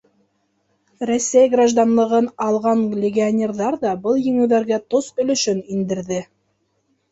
Рәсәй гражданлығы алған легионерҙар ҙа был еңеүҙәргә тос өлөшөн индерҙе.